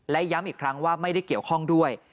และย้ำอีกครั้งว่าไม่ได้เกี่ยวข้องด้วย